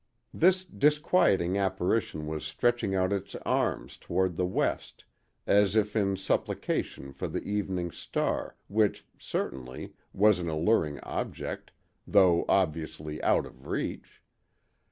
This disquieting apparition was stretching out its arms toward the west, as if in supplication for the evening star, which, certainly, was an alluring object, though obviously out of reach.